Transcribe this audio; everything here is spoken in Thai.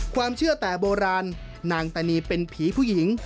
ความเชื่อแต่โบราณนางตานีเป็นผีผู้หญิง